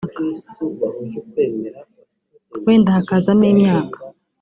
wenda hakazamo imyaka